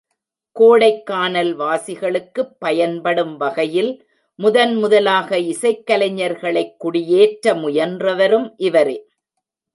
கோடைக்கானல் வாசிகளுக்குப் பயன்படும் வகையில் முதன் முதலாக இசைக் கலைஞர்களைக் குடியேற்ற முயன்றவரும் இவரே.